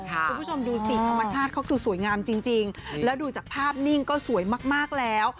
คุณผู้ชมดูสิธรรมชาติเขาดูสวยงามจริงแล้วดูจากภาพนิ่งก็สวยมากแล้ว